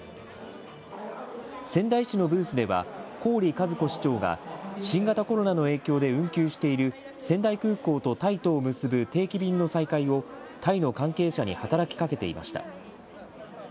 仙台市のブースでは、郡和子市長が、新型コロナの影響で運休している仙台空港とタイとを結ぶ定期便の再開をタイの関係者に働きかけていました。